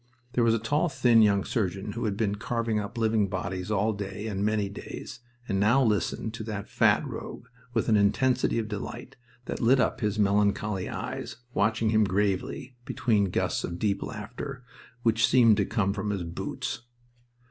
There was a tall, thin young surgeon who had been carving up living bodies all day and many days, and now listened to that fat rogue with an intensity of delight that lit up his melancholy eyes, watching him gravely between gusts of deep laughter, which seemed to come from his boots.